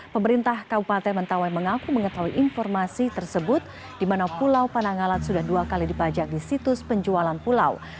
pemerintah kabupaten mentawai mengaku mengetahui informasi tersebut di mana pulau panangalat sudah dua kali dipajak di situs penjualan pulau